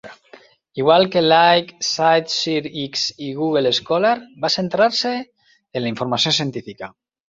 Igual que Like CiteSeerX i Google Scholar, va centrar-se en la informació científica.